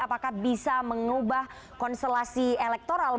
apakah bisa mengubah konstelasi elektoral bagi kedua paslon